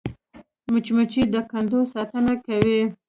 مچمچۍ د کندو ساتنه کوي